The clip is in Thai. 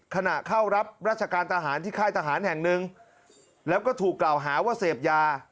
เข้ารับราชการทหารที่ค่ายทหารแห่งหนึ่งแล้วก็ถูกกล่าวหาว่าเสพยา